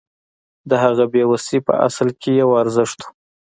د هغه بې وسي په اصل کې یو ارزښت و